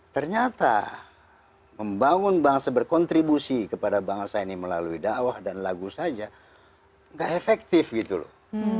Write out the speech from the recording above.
ternyata membangun bangsa berkontribusi kepada bangsa ini melalui dakwah dan lagu saja nggak efektif gitu loh